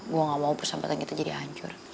gue gak mau persahabatan kita jadi hancur